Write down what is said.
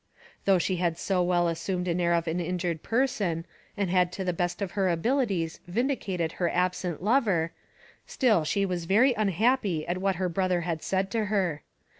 Though she had so well assumed the air of an injured person, and had to the best of her abilities vindicated her absent lover, still she was very unhappy at what her brother had said to her.